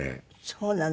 そうなの。